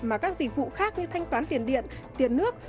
mà các dịch vụ khác như thanh toán tiền điện tiền nước